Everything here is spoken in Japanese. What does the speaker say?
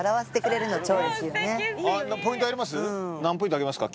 何ポイントあげますか？